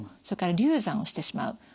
それから流産をしてしまう。